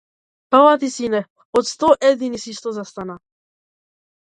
Фала ти, сине, од сто едини си што застана.